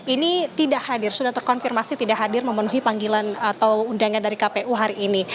ini tidak hadir sudah terkonfirmasi tidak hadir memenuhi panggilan atau undangan dari kpu hari ini